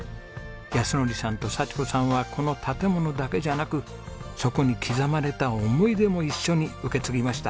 靖憲さんと佐千子さんはこの建物だけじゃなくそこに刻まれた思い出も一緒に受け継ぎました。